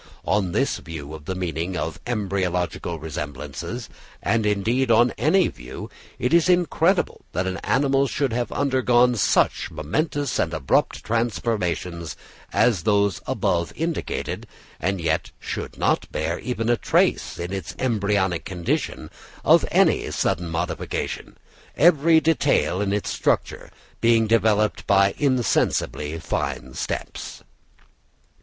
On this view of the meaning of embryological resemblances, and indeed on any view, it is incredible that an animal should have undergone such momentous and abrupt transformations as those above indicated, and yet should not bear even a trace in its embryonic condition of any sudden modification, every detail in its structure being developed by insensibly fine steps.